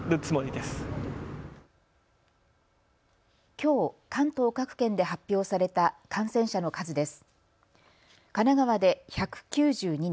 きょう、関東各県で発表された感染者の数です。